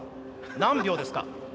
何秒ですか？